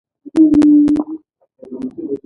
د بایسکل څراغونه په شپه کې ضروری دي.